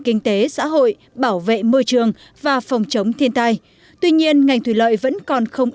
kinh tế xã hội bảo vệ môi trường và phòng chống thiên tai tuy nhiên ngành thủy lợi vẫn còn không